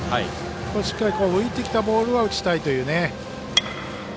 しっかり浮いてきたボールは打ちたいというね。